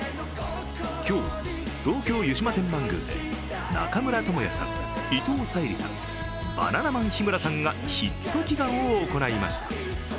今日、東京・湯島天満宮で中村倫也さん、伊藤沙莉さん、バナナマン日村さんがヒット祈願を行いました。